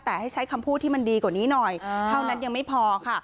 แต่ให้ใช้คำพูดที่มันดีกว่านี้หน่อยเท่านั้นยังไม่พอค่ะ